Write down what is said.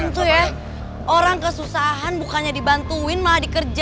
tuh gak ada gini